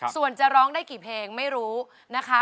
ส่วนจะร้องได้กี่เพลงไม่รู้นะคะ